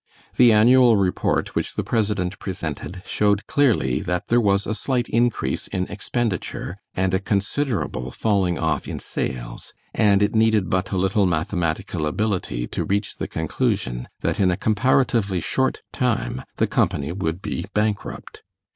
The annual report which the president presented showed clearly that there was a slight increase in expenditure and a considerable falling off in sales, and it needed but a little mathematical ability to reach the conclusion that in a comparatively short time the company would be bankrupt.